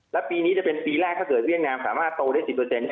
และปีนี้จะเป็นปีแรกถ้าเกิดเรียกน้ำสามารถโตได้๑๐เปอร์เซ็นต์